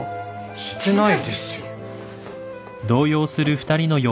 してないですよ。